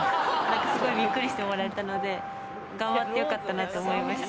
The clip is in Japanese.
すごいびっくりしてもらえたので、頑張ってよかったなって思いました。